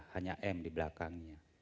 hanya m di belakangnya